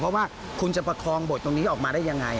เพราะว่าคุณจะประคองบทตรงนี้ออกมาได้ยังไง